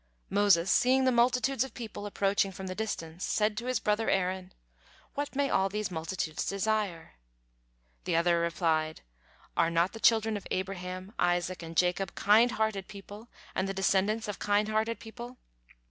Moses, seeing the multitudes of people approaching from the distance, said to his brother Aaron: "What may all these multitudes desire?" The other replied: "Are not the children of Abraham, Isaac, and Jacob kind hearted people and the descendants of kind hearted people?